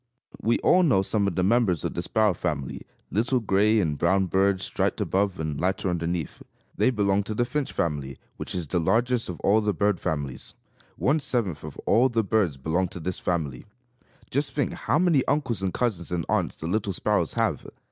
We all know some of the members of the Sparrow family, little gray and brown birds, striped above and lighter underneath. They belong to the Finch family, which is the largest of all the bird families. One seventh of all the birds belong to this family. Just think how many uncles and cousins and aunts the little sparrows have!